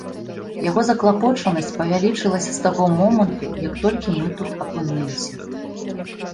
Яго заклапочанасць павялічылася з таго моманту, як толькі мы тут апынуліся.